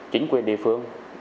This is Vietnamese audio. chính quyền địa phương